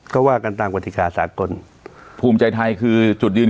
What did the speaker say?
ก็ว่ากันตามกฎิกาสากลภูมิใจไทยคือจุดยืน